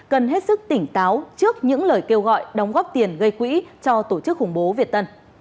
cần hết sức tỉnh táo trước những lời kêu gọi đóng góp tiền gây quỹ cho tổ chức khủng bố việt tân